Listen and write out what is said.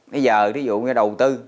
bây giờ ví dụ như đầu tư